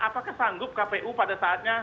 apakah sanggup kpu pada saatnya